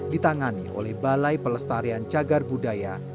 ditangani oleh balai pelestarian cagar budaya jawa timur